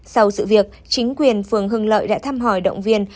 sau sự việc chính quyền phường hưng lợi đã thăm hỏi động viên